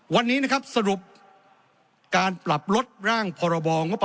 วันนี้นะครับสรุป